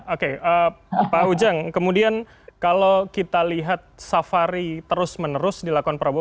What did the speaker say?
oke pak ujang kemudian kalau kita lihat safari terus menerus dilakukan prabowo